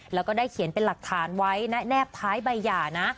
แล้วก็ได้เขียนเป็นหลักฐานไว้แนบท้ายใบหย่านะ